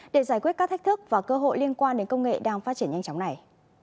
để giải quyết các thách thức và cơ hội liên quan đến công nghệ đang phát triển nhanh chóng này